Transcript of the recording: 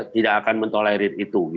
tidak akan menolerir itu